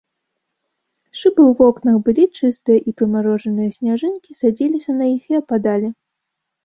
Шыбы ў вокнах былі чыстыя, і прымарожаныя сняжынкі садзіліся на іх і ападалі.